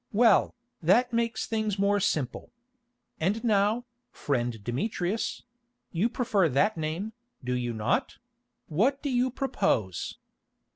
"Well, that makes things more simple. And now, friend Demetrius—you prefer that name, do you not—what do you propose?"